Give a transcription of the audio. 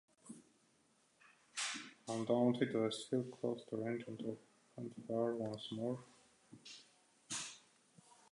Undaunted, "Westfield" closed the range and opened fire once more.